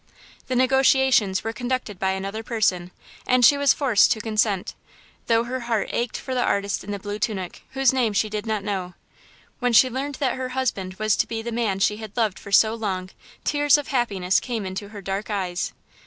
"The negotiations were conducted by another person, and she was forced to consent, though her heart ached for the artist in the blue tunic, whose name she did not know. When she learned that her husband was to be the man she had loved for so long, tears of happiness came into her dark eyes.